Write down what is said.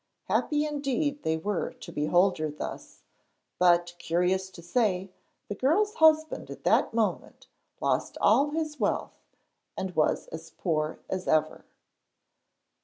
Happy indeed were they to behold her thus; but, curious to say, the girl's husband at that moment lost all his wealth and was as poor as ever.